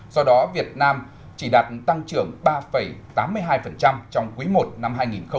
do đó việt nam chỉ đạt tăng trưởng ba tám mươi hai trong quý i năm hai nghìn hai mươi